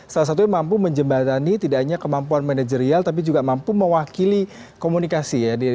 salah satunya mampu menjembatani tidak hanya kemampuan manajerial tapi juga mampu mewakili komunikasi ya